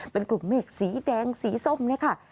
เป็นกลุ่มเมฆสีแดงสีส้มเนี่ยค่ะ